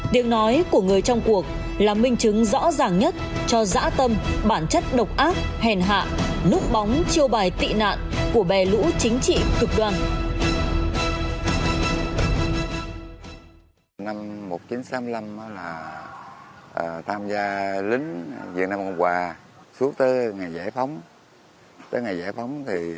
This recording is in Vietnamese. điều nói của người trong cuộc là minh chứng rõ ràng nhất cho dã tâm bản chất độc ác hèn hạ lúc bóng chiêu bài tị nạn của bè lũ chính trị tục đoàn